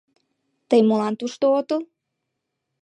Тый молан тушто отыл?